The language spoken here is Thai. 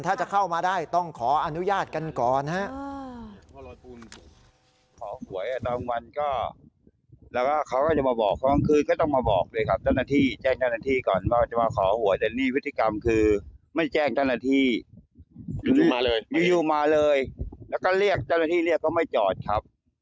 ถ้าจะเข้ามาได้ต้องขออนุญาตกันก่อนฮะ